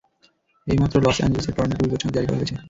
এইমাত্র লস অ্যাঞ্জেলসে টর্নেডোর বিপদসংকেত জারী করা হয়েছে!